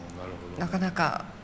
なかなか。